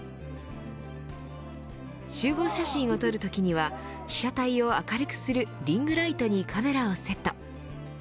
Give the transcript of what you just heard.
集合写真を撮るときには被写体を明るくするリングライトにカメラをセット。